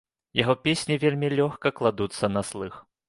Яго песні вельмі лёгка кладуцца на слых.